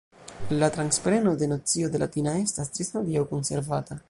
La transpreno de nocio de latina estas ĝis hodiaŭ konservata.